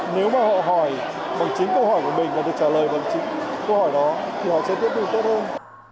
nếu mà họ hỏi bằng chính câu hỏi của mình và được trả lời bằng chính câu hỏi đó thì họ sẽ tiếp tục tốt hơn